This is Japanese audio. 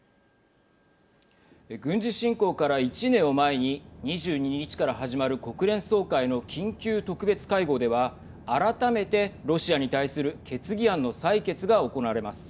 軍事侵攻から１年を前に２２日から始まる国連総会の緊急特別会合では改めてロシアに対する決議案の採決が行われます。